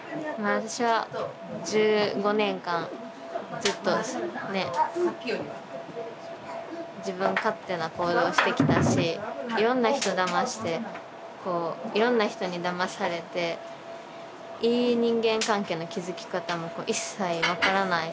私は１５年間ずっとねえ自分勝手な行動をしてきたし色んな人だましてこう色んな人にだまされていい人間関係の築き方も一切分からない